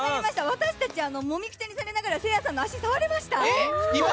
私たち、もみくちゃにされながらせいやさんの足、触れました。